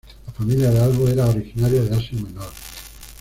La familia de Albo era originaria de Asia Menor.